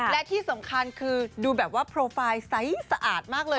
และที่สำคัญคือดูแบบว่าโปรไฟล์ไซส์สะอาดมากเลย